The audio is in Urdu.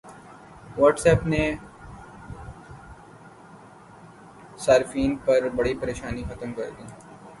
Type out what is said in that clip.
واٹس ایپ نے اینڈرائیڈ صارفین کی بڑی پریشانی ختم کردی